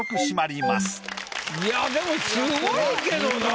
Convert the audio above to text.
いやでもすごいけどな。